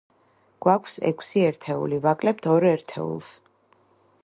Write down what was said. გვაქვს ექვსი ერთეული, ვაკლებთ ორ ერთეულს.